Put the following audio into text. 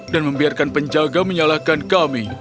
dan membiarkan penjaga menyalahkan kami